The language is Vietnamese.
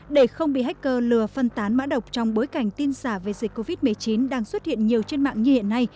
để không bị hacker lừa phân tán mã độc trong bối cảnh tin giả về dịch covid một mươi chín đang xuất hiện nhiều trên mạng như hiện nay